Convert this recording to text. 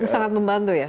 sangat membantu ya